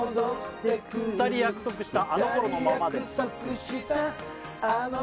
「二人約束したあの頃のままで」